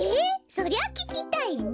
そりゃききたいね。